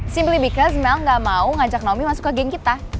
simply because mel gak mau ngajak naomi masuk ke geng kita